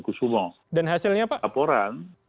kusumo dan hasilnya pak laporan